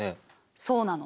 そうなの。